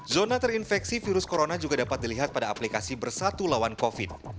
zona terinfeksi virus corona juga dapat dilihat pada aplikasi bersatu lawan covid